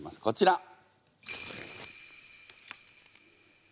こちら。